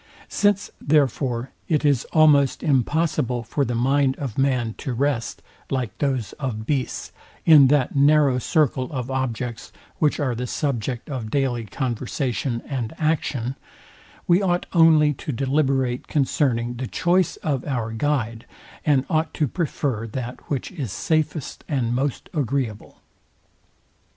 Since therefore it is almost impossible for the mind of man to rest, like those of beasts, in that narrow circle of objects, which are the subject of daily conversation and action, we ought only to deliberate concerning the choice of our guide, and ought to prefer that which is safest and most agreeable.